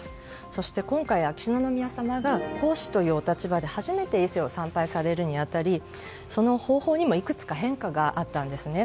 そして、今回秋篠宮さまが皇嗣というお立場で初めて伊勢を参拝されるに当たりその方法にもいくつか変化があったんですね。